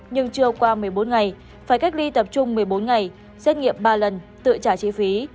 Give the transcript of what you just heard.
nhưng chưa qua một mươi bốn ngày phải cách ly tập trung một mươi bốn ngày xét nghiệm ba lần tự trả chi phí